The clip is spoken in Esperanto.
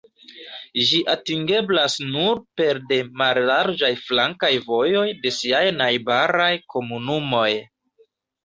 Ĝi atingeblas nur pere de mallarĝaj flankaj vojoj de siaj najbaraj komunumoj.